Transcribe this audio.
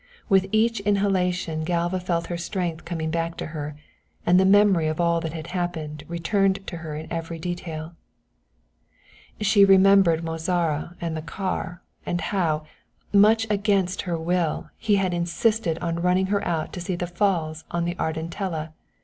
With each inhalation Galva felt her strength coming back to her, and the memory of all that had happened returned to her in every detail. She remembered Mozara and the car, and how, much against her will, he had insisted on running her out to see the Falls on the Ardentella.